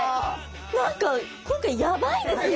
何か今回やばいですね。